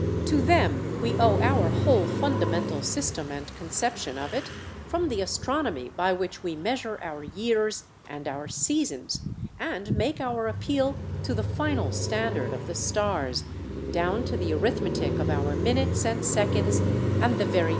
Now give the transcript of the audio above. To them we owe our whole fundamental system and conception of it from the astronomy by which we measure our years and our seasons and make our appeal to the final standard of the stars, down to the arithmetic of our minutes and seconds and the very names of our months and days.